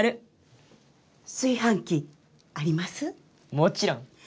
もちろん。